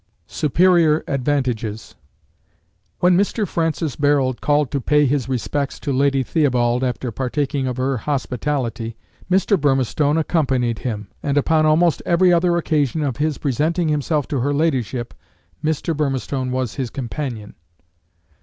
SUPERIOR ADVANTAGES. When Mr. Francis Barold called to pay his respects to Lady Theobald, after partaking of her hospitality, Mr. Burmistone accompanied him; and, upon almost every other occasion of his presenting himself to her ladyship, Mr. Burmistone was his companion.